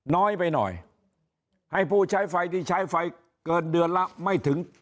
น้อยไปหน่อยให้ผู้ใช้ไฟที่ใช้ไฟเกินเดือนละไม่ถึง